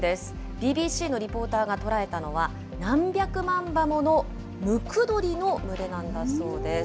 ＢＢＣのリポーターが捉えたのは、何百万羽ものムクドリの群れなんだそうです。